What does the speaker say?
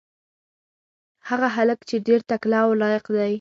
هغه هلک ډېر تکړه او لایق دی.